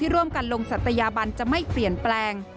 ร่วมกันลงศัตยาบันจะไม่เปลี่ยนแปลง